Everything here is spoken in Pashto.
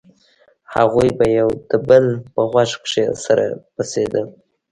هغوى به يو د بل په غوږ کښې سره پسېدل.